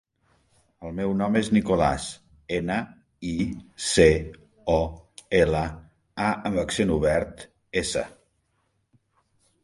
El meu nom és Nicolàs: ena, i, ce, o, ela, a amb accent obert, essa.